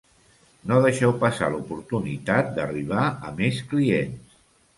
No deixeu passar l'oportunitat d'arribar a més clients.